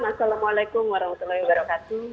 assalamualaikum warahmatullahi wabarakatuh